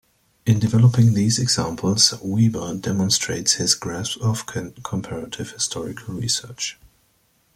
In developing these examples, Weber demonstrates his grasp of comparative historical research.